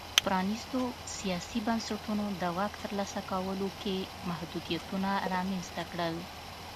پرانیستو سیاسي بنسټونو د واک ترلاسه کولو کې محدودیتونه رامنځته کړل.